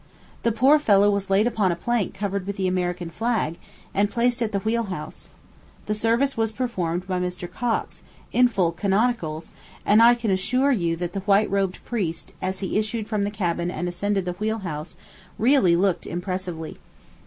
The poor fellow was laid upon a plank covered with the American flag, and placed at the wheel house. The service was performed by Mr. Cox, in full canonicals; and I can assure you that the white robed priest, as he issued from the cabin and ascended the wheel house, really looked impressively.